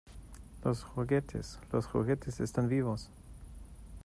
¡ Los juguetes! ¡ los juguetes están vivos !